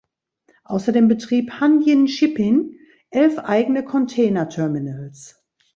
Außerdem betrieb Hanjin Shipping elf eigene Containerterminals.